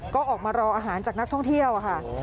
ก็ออกมารออาหารจากนักท่องเที่ยวค่ะ